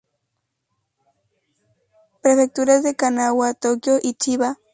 Prefecturas de Kanagawa, Tokio y Chiba.